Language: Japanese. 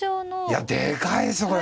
いやでかいですよこれ。